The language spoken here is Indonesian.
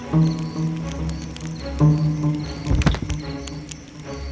dan dia juga memintanya untuk menaruh bunga yang akan membuat para tentara tertidur